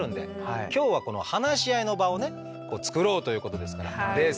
今日はこの話し合いの場をねつくろうということですから冷静に。